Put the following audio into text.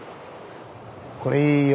これいいよ。